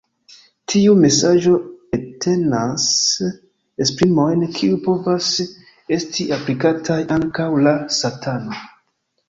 Tiu mesaĝo entenas esprimojn kiuj povas esti aplikataj ankaŭ al Satano.